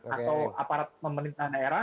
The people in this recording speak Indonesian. atau aparat pemerintah daerah